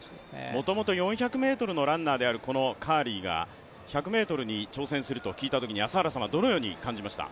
もともと４００ｍのランナーであるカーリーが１００ｍを挑戦すると聞いたときに朝原さんはどのように感じました？